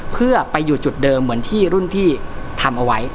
เพื่อไปอยู่จุดเดิมเหมือนที่รุ่นพี่ทำเอาไว้